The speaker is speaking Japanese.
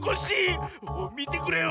みてくれよ！